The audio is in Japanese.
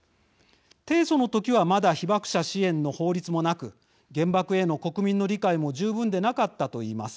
提訴の時はまだ被爆者支援の法律もなく原爆への国民の理解も十分でなかったと言います。